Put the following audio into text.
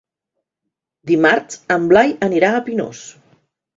Dimarts en Blai anirà a Pinós.